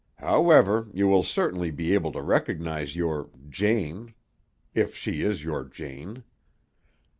However, you will certainly be able to recognize your Jane, if she is your Jane."